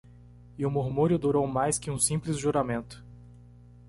E o murmúrio durou mais que um simples juramento.